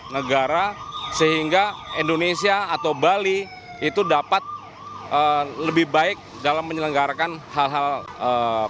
negara sehingga indonesia atau bali itu dapat lebih baik dalam menyelenggarakan hal hal tersebut